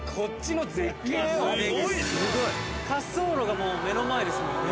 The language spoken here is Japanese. すごい！滑走路が目の前ですもんね。